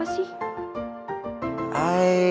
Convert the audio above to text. ya aku mau ke rumah gua